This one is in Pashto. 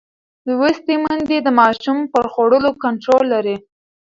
لوستې میندې د ماشوم پر خوړو کنټرول لري.